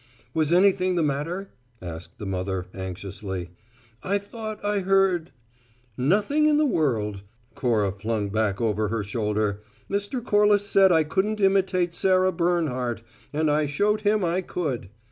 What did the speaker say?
"Was anything the matter?" asked the mother anxiously. "I thought I heard " "Nothing in the world," Cora flung back over her shoulder. "Mr. Corliss said I couldn't imitate Sara Bernhardt, and I showed him I could."